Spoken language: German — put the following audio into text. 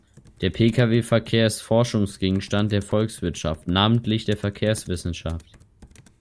Der Pkw-Verkehr ist Forschungsgegenstand der Volkswirtschaft, namentlich der Verkehrswissenschaft.